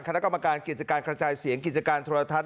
คณะกรรมการกิจการกระจายเสียงกิจการโทรทัศน